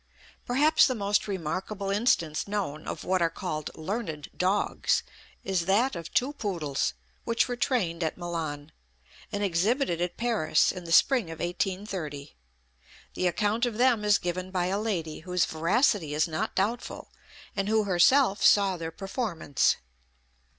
Perhaps the most remarkable instance known of what are called "Learned Dogs," is that of two poodles, which were trained at Milan, and exhibited at Paris in the spring of 1830. The account of them is given by a lady, whose veracity is not doubtful, and who herself saw their performance.